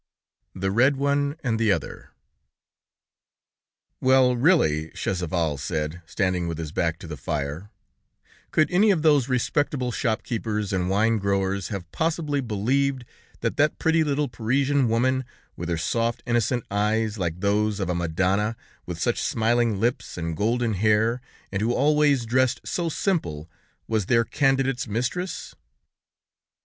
THE READ ONE AND THE OTHER "Well, really," Chasseval said, standing with his back to the fire, "could any of those respectable shop keepers and wine growers have possibly believed that that pretty little Parisian woman, with her soft innocent eyes, like those of a Madonna, with such smiling lips and golden hair, and who always dressed so simple, was their candidate's mistress?"